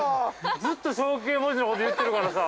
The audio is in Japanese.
◆ずっと象形文字のこと言ってるからさ。